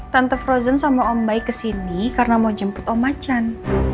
tante frozen sama om baik kesini karena mau jemput om macan